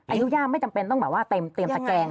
อายุย่างไม่จำเป็นการเตรียมสแกง